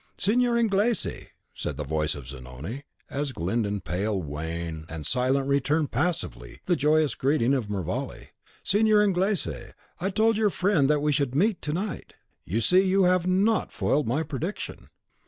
"Signor Inglese," said the voice of Zanoni, as Glyndon pale, wan, and silent returned passively the joyous greeting of Mervale, "Signor Inglese, I told your friend that we should meet to night. You see you have NOT foiled my prediction."